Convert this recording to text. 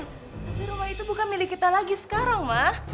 tapi rumah itu bukan milik kita lagi sekarang mah